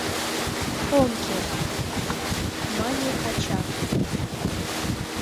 — Ом керт, — мане ача.